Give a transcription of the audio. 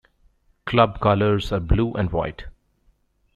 Club colours are blue and white.